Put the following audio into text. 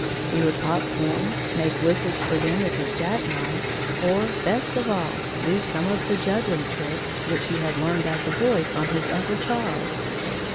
He would pop corn, make whistles for them with his jack knife, or, best of all, do some of the juggling tricks, which he had learned, as a boy, from his uncle Charles.